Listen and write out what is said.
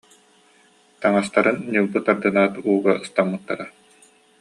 Таҥас- тарын ньылбы тардынаат ууга ыстаммыттара